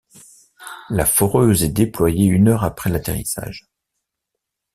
La foreuse est déployée une heure après l'atterrissage.